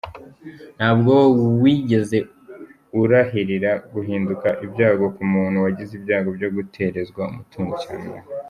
Ntabwo wigeze urahirira guhinduka ibyago ku muntu wagize ibyago byo guterezwa umutungo cyamunara.